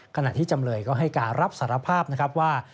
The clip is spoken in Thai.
ขณะที่จำเลยก็ให้การรับสารภาพนะครับว่า